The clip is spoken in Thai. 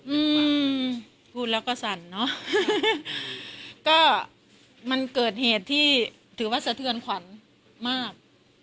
อืมพูดแล้วก็สั่นเนอะก็มันเกิดเหตุที่ถือว่าสะเทือนขวัญมาก